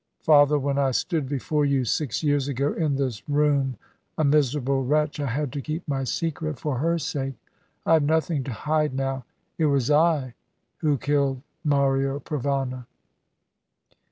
Father, when I stood before you six years ago in this room, a miserable wretch, I had to keep my secret for her sake. I have nothing to hide now. It was I who killed Mario Provana."